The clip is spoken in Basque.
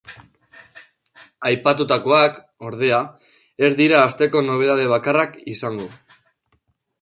Aipatutakoak, ordea, ez dira asteko nobedade bakarrak izango.